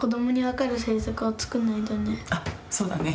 あっそうだね。